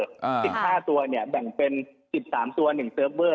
สิบห้าตัวเนี่ยแบ่งเป็นสิบสามตัวหนึ่งเซิร์ฟเวอร์